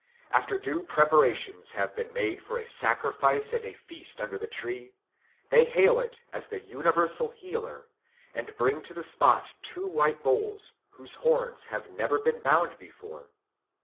After due preparations have been made for a sacrifice and a feast under the tree, they hail it as the universal healer and bring to the spot two white bulls, whose horns have never been bound before.